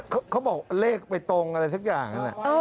เขาบอกเลขไปตรงอะไรทุกอย่าง